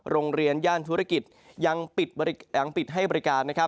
โรงเรียนย่านธุรกิจยังปิดให้บริการนะครับ